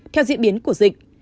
theo diễn biến của dịch